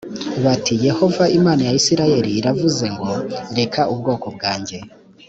bati yehova imana ya isirayeli iravuze ngo reka ubwoko bwanjye